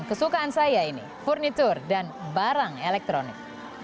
kesukaan saya ini furnitur dan barang elektronik